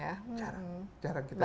jarang kita dapat